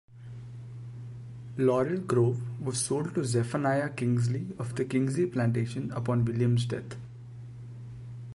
Laurel Grove was sold to Zephaniah Kingsley of the Kingsley Plantation upon William's death.